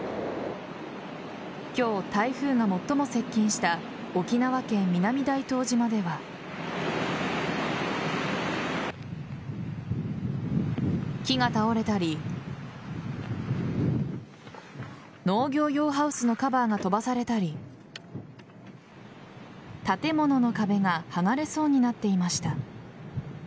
今日、台風が最も接近した沖縄県南大東島では木が倒れたり農業用ハウスのカバーが飛ばされたり建物の壁が剥がれそうになっていました。